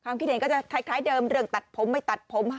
คิดเห็นก็จะคล้ายเดิมเรื่องตัดผมไม่ตัดผม